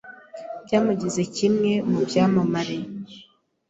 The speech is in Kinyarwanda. byamugize kimwe mu byamamare